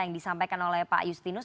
yang disampaikan oleh pak justinus